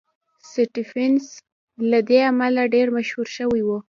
سټېفنس له دې امله ډېر مشهور شوی و.